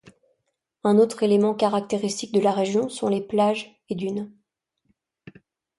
Un autre élément caractéristique de la région sont les plages et dunes.